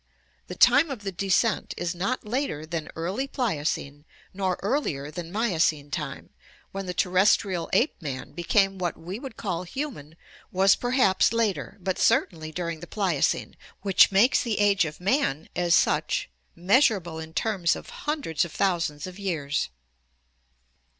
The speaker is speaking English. — The time of the descent is not later than early Pliocene nor earlier than Miocene time; when the terrestrial ape man be came what we would call human was perhaps later, but certainly during the Pliocene, which makes the age of man as such measur able in terms of hundreds of thousands of years!